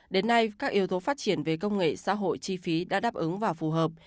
đến nay các yếu tố phát triển về công nghệ xã hội chi phí đã đáp ứng và phù hợp